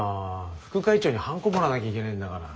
副会長にはんこもらわなきゃいけないんだから。